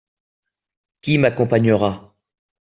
Qui m'accompagnera.